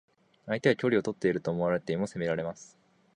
相手は距離をとっていると思っていても攻められます。